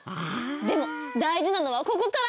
でも大事なのはここから！